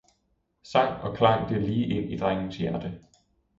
sang og klang det lige ind i drengens hjerte.